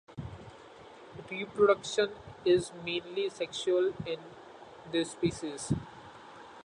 Reproduction is mainly sexual in this species.